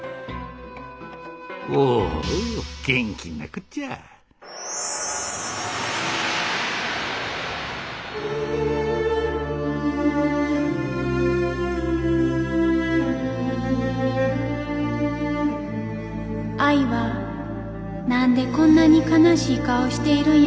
おうおう現金なこっちゃ愛は何でこんなに悲しい顔しているんやろ。